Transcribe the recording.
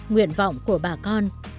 tuyển vọng của bà con